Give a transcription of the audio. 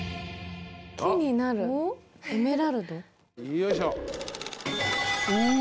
よいしょ。